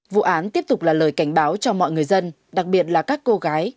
vụ án tiếp tục là lời cảnh báo cho mọi người dân đặc biệt là các cô gái